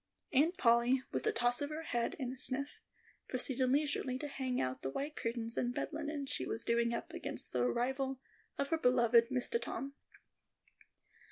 Aunt Polly, with a toss of her head and a sniff, proceeded leisurely to hang out the white curtains and bed linen she was doing up against the arrival of her beloved Mistah Tom.